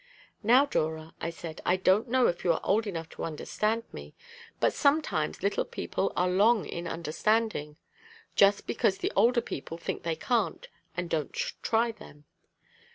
"Now, Dora," I said, "I don't know if you are old enough to understand me; but sometimes little people are long in understanding, just because the older people think they can't, and don't try them.